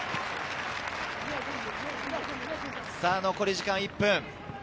残り時間１分。